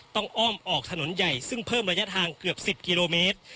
อ้อมออกถนนใหญ่ซึ่งเพิ่มระยะทางเกือบ๑๐กิโลเมตร